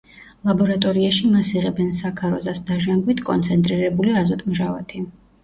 ლაბორატორიაში მას იღებენ საქაროზას დაჟანგვით კონცენტრირებული აზოტმჟავათი.